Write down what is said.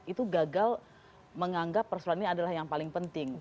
itu gagal menganggap persoalannya adalah yang paling penting